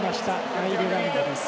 アイルランドです。